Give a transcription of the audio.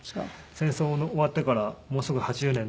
戦争終わってからもうすぐ８０年で。